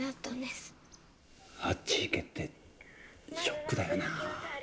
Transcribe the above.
あっち行けってショックだよな。